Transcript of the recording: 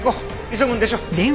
急ぐんでしょ？